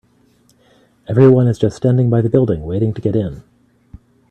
Everyone is just standing by the building, waiting to get in.